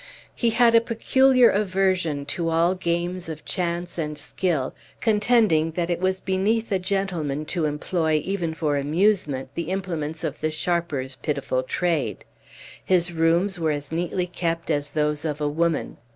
He had a peculiar aversion to all games of chance and skill, contending that it was beneath a gentleman to employ, even for amusement, the implements of the sharper's pitiful trade. His rooms were as neatly kept as those of a woman.